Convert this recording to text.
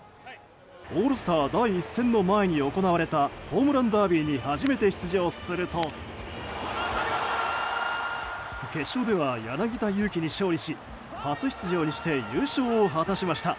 オールスター第１戦の前に行われたホームランダービーに初めて出場すると決勝では柳田悠岐に勝利し初出場にして優勝を果たしました。